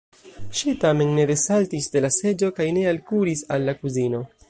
Ŝi tamen ne desaltis de la seĝo kaj ne alkuris al la kuzino.